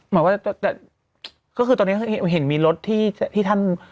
หมายว่าแต่แต่ก็คือตอนนี้เขาคิดเห็นมีรถที่ที่ท่าน